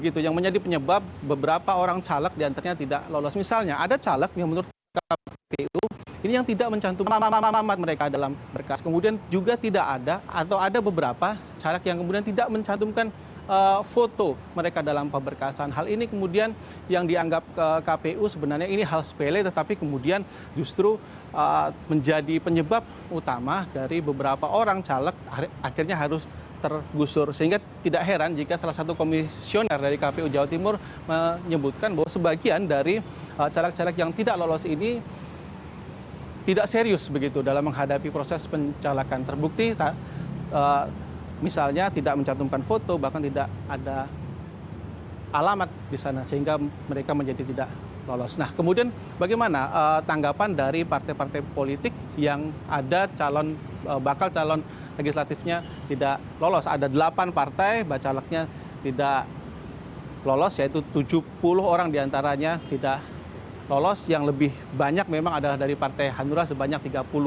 syarat syarat administratif yang harus ditempuh oleh bacalak